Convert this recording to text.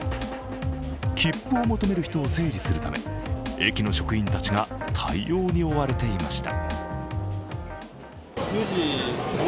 切符を求める人を整理するため、駅の職員たちが対応に追われていました。